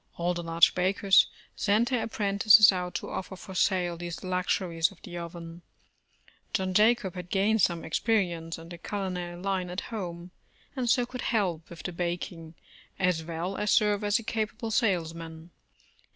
All the large bakers sent their ap prentices out to offer for sale these luxuries of the oven. John Jacob had gained some experience in the culinary line at home, and so could help with the bak ing, as well as serve as a capable salesman.